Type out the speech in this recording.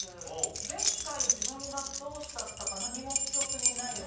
前回自分がどうしてたか何も記憶にないです。